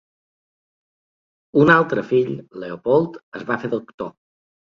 Un altre fill, Leopold, es va fer doctor.